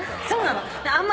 そうなの？